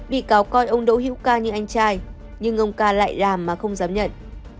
bị cáo coi ông đỗ hữu ca như anh trai nhưng ông ca lại làm mà không dám nhận